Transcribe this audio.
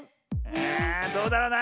あどうだろな？